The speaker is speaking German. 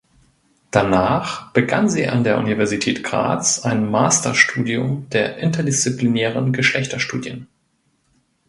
Danach begann sie an der Universität Graz ein Masterstudium der Interdisziplinären Geschlechterstudien.